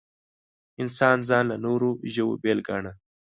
انسان ځان له نورو ژوو بېل ګاڼه.